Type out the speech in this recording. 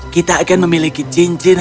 kita akan memiliki cincin